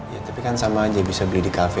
ya tapi kan sama aja bisa beli di kafe